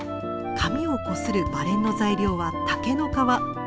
紙をこするバレンの材料は竹の皮。